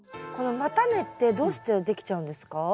この叉根ってどうしてできちゃうんですか？